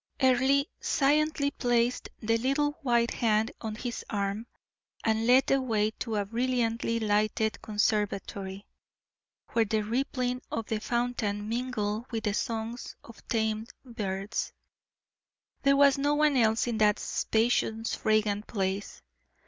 Earle silently placed the little white hand on his arm, and led the way to a brilliantly lighted conservatory, where the rippling of the fountain mingled with the songs of tamed birds. There was no one else in that spacious fragrant place.